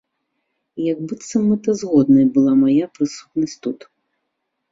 Як быццам мэтазгоднай была мая прысутнасць тут!